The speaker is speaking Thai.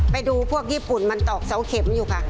ไปดูพวกญี่ปุ่นมันตอกเสาเข็มอยู่ค่ะ